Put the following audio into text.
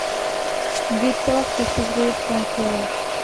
Des portes s'ouvrirent encore.